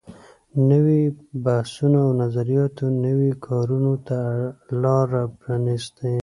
نويو بحثونو او نظریاتو نویو کارونو ته لارې پرانیستلې.